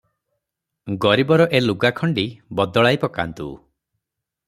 ଗରିବର ଏ ଲୁଗାଖଣ୍ଡି ବଦଳାଇ ପକାନ୍ତୁ ।"